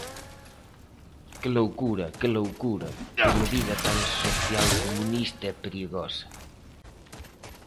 ¡Que loucura, que loucura, que medida tan socialcomunista e perigosa!